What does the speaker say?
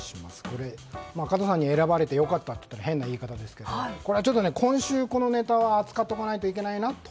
加藤さんに選ばれて良かったと言ったら変な言い方ですがこれは今週、このネタは扱っておかないといけないなと。